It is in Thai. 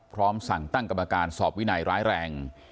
พร้อมสั่งตั้งกรรมการสอบวินัยร้ายแรง